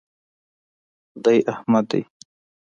دی احمد دئ.